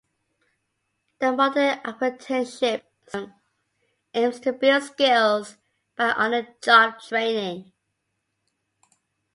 The modern apprenticeship system aims to build skills by on-the-job training.